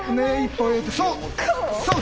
そう。